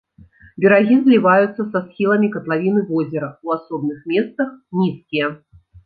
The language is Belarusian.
Берагі зліваюцца са схіламі катлавіны возера, у асобных месцах нізкія.